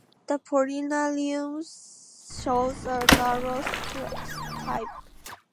The pollinarium shows a narrow stipe.